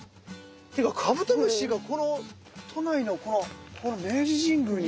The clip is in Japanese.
っていうかカブトムシが都内のこの明治神宮に。